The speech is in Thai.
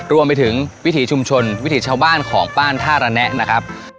วิถีชุมชนวิถีชาวบ้านของบ้านท่าระแนะนะครับ